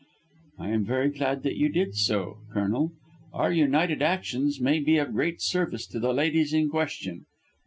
"I am very glad that you did so, Colonel. Our united actions may be of great service to the ladies in question.